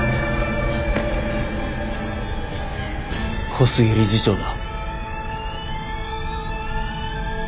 小菅理事長だ。